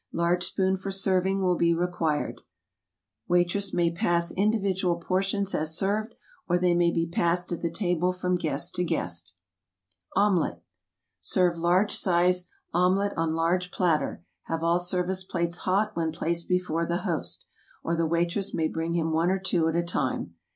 Large spoon for serving will be required. Wait ress may pass individual portions as served, or they may be passed at the table from guest to guest. Omelet SERVE large sized omelet on large platter, have all service plates hot when placed before the host; or the waitress may bring him one or two at a time.